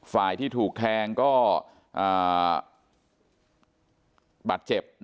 ฝ่ายที่ถูกแทงก็บาดเจ็บ